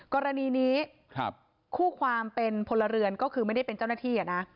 กรณีนี้คู่ความเป็นพลเรือนก็คือไม่ได้เป็นเจ้าหน้าที่